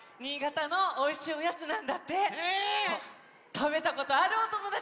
たべたことあるおともだち？